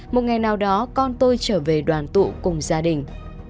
một ngày nào đó con tôi trở về đoàn tụ cùng gia đình